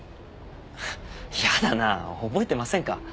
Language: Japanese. やだなぁ覚えてませんか？